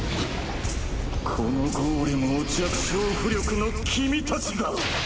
このゴーレムを弱小巫力の君たちが？